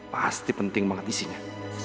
pasti penting banget isinya